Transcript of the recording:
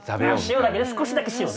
塩だけね少しだけ塩ね。